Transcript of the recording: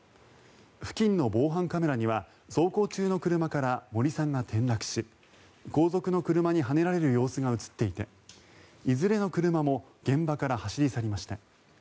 付近の防犯カメラには走行中の車から森さんが転落し後続の車にはねられる様子が映っていていずれの車も現場から走り去りました。